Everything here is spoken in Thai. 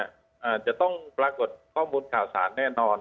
อาจจะต้องปรากฏข้อมูลข่าวสารแน่นอน